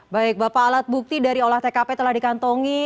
baik bapak alat bukti dari olah tkp telah dikantongi